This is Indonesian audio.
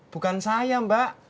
bukan saya mbak